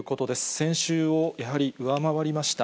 先週をやはり上回りました。